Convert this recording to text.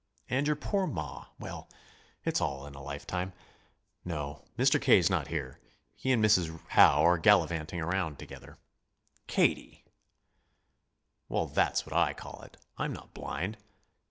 And your poor ma...well, it's all in a lifetime! No; Mr. K.'s not here. He and Mrs. Howe are gallivanting around together." "Katie!" "Well, that's what I call it. I'm not blind.